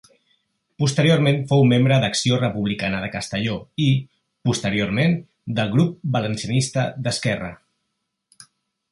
Posteriorment fou membre d'Acció Republicana de Castelló i, posteriorment, del Grup Valencianista d'Esquerra.